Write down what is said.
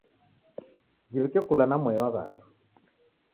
Jiwike kula na mwai wa w'andu.